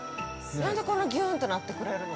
何で、こんなギューンってなってくれるの？